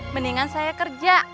mendingan saya kerja